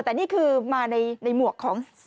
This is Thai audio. แต่นี่คือมาในหมวกของ